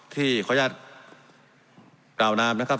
ที่ขอยัดกล่าวน้ำนะครับ